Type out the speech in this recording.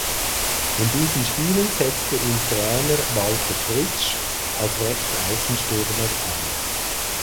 In diesen Spielen setzte ihn Trainer Walter Fritzsch als Rechtsaußenstürmer ein.